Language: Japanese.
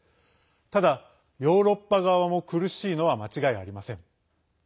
ただ、ヨーロッパ側も苦しいのは間違いありません。